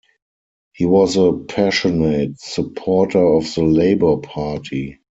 He was a passionate supporter of the Labour Party.